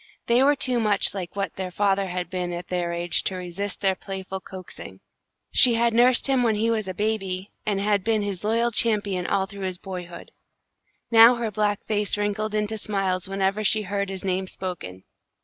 They were too much like what their father had been at their age to resist their playful coaxing. She had nursed him when he was a baby, and had been his loyal champion all through his boyhood. Now her black face wrinkled into smiles whenever she heard his name spoken.